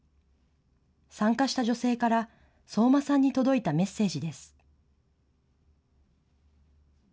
参加した女性から相馬さんに届いたメッセージです。